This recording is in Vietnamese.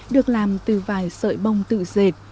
được làm từ vài sợi bông tự dệt